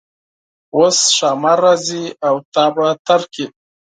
اوس ښامار راځي او تا به تیر کړي.